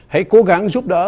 hãy cố gắng giúp đỡ